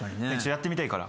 やってみたいから。